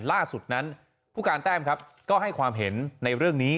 ล่าสุดนั้นผู้การแต้มครับก็ให้ความเห็นในเรื่องนี้